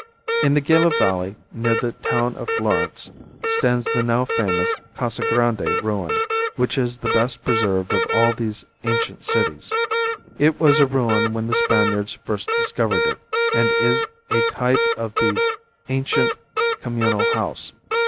In the Gila valley, near the town of Florence, stands the now famous Casa Grande ruin, which is the best preserved of all these ancient cities. It was a ruin when the Spaniards first discovered it, and is a type of the ancient communal house.